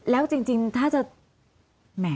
แล้วจริงถ้าจะ